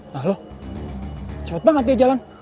nah lo cepet banget dia jalan